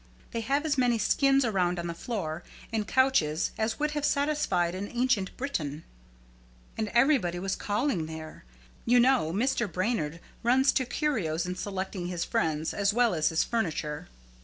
They have as many skins around on the floor and couches as would have satisfied an ancient Briton. And everybody was calling there. You know Mr. Brainard runs to curios in selecting his friends as well as his furniture.